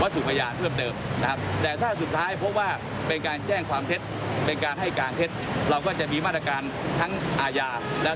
สูดท้ายไม่กล้างแจ้งความเท็จเป็นการให้การเท็จเราก็จะมีมาตรการทั้งอาญาแล้ว